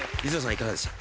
いかがでした？